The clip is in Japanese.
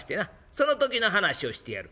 その時の話をしてやる」。